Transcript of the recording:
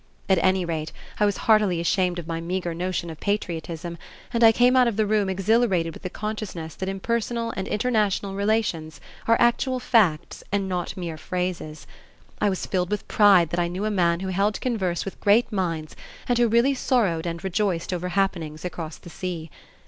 At any rate, I was heartily ashamed of my meager notion of patriotism, and I came out of the room exhilarated with the consciousness that impersonal and international relations are actual facts and not mere phrases. I was filled with pride that I knew a man who held converse with great minds and who really sorrowed and rejoiced over happenings across the sea.